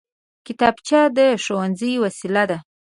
کتابچه د ښوونې وسېله ده